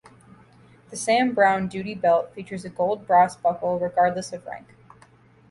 The Sam Browne duty belt features a gold brass buckle regardless of rank.